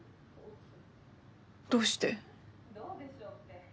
どうして？